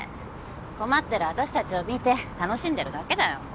困ってる私たちを見て楽しんでるだけだよ。